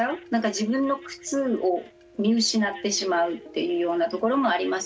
自分の靴を見失ってしまうっていうようなところもありますよね。